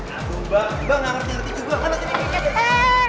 aduh mbak mbak gak ngerti ngerti juga